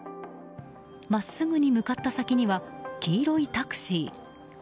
真っすぐに向かった先には黄色いタクシー。